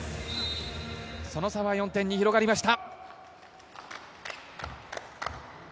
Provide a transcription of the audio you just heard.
その差は４点に広がりました。